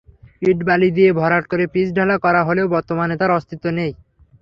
ইট-বালি দিয়ে ভরাট করে পিচঢালা করা হলেও বর্তমানে তার অস্থিত্ব নেই।